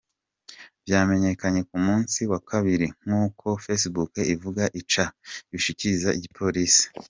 Vyamenyekanye ku munsi wa kabiri nkuko Facebook ivuga, ica ibishikiriza igipolisi.